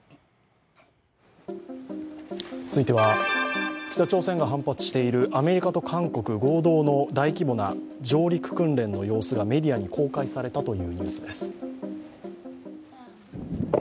続いては、北朝鮮が反発しているアメリカと韓国、合同の大規模な上陸訓練の様子がメディアに公開されたというニュースです。